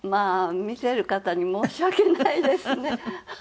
見てる方に申し訳ないですね